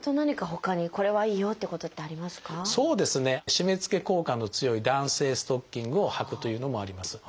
締めつけ効果の強い弾性ストッキングをはくというのもあります。